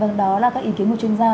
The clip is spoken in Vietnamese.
vâng đó là các ý kiến của chúng ta